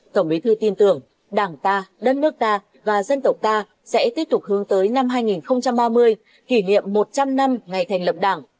tổng bí thư tin tưởng đảng ta đất nước ta và dân tộc ta sẽ tiếp tục hướng tới năm hai nghìn ba mươi kỷ niệm một trăm linh năm ngày thành lập đảng